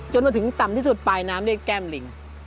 มาถึงต่ำที่สุดปลายน้ำเรียกแก้มลิง